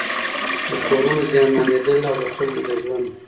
د کورونو زيانمنېدل او د خلکو د ژوند